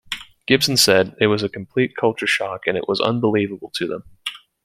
Gibson said, It was a complete culture shock and it was unbelievable to them.